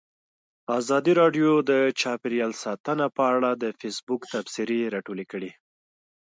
ازادي راډیو د چاپیریال ساتنه په اړه د فیسبوک تبصرې راټولې کړي.